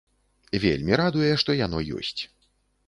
Вельмі радуе, што яно ёсць.